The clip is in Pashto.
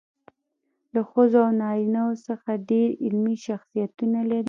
له ښځو او نارینه وو څخه ډېر علمي شخصیتونه لري.